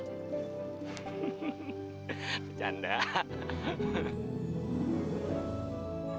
karena setiap kamu nangis aku harus mikir gimana caranya supaya kamu nggak nangis lagi